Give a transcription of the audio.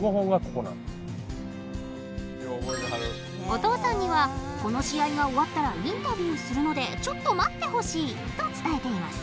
お父さんにはこの試合が終わったらインタビューするのでちょっと待ってほしいと伝えています。